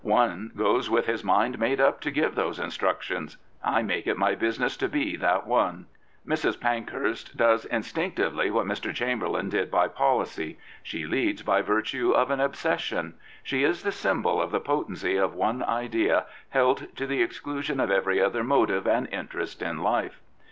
One goes with his mind made up to give those instructions. I make it my business to be that one." Mrs. Pankhurst does instinctively what Mr. Chamberlain did by policy. She leads by virtue of an obsession. She is the S5unbol of the potency of one idea held to the exclusion of every other motive and interest in life.